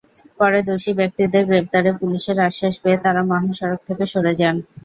পরে দোষী ব্যক্তিদের গ্রেপ্তারে পুলিশের আশ্বাস পেয়ে তাঁরা মহাসড়ক থেকে সরে যান।